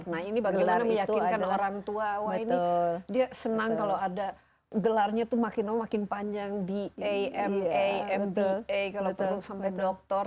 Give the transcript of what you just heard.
nah ini bagaimana meyakinkan orang tua wah ini dia senang kalau ada gelarnya tuh makin lama makin panjang b a m a m b a kalau perlu sampai doktor